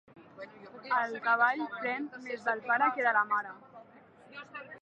El cavall pren més del pare que de la mare.